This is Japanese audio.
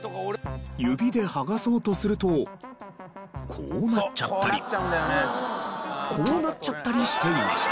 指で剥がそうとするとこうなっちゃったりこうなっちゃったりしていました。